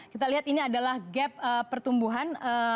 kita lihat ini adalah gap pertumbuhan